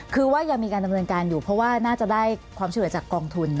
คือว่ายังมีการดำเนินการอยู่เพราะว่าน่าจะได้ความช่วยเหลือจากกองทุน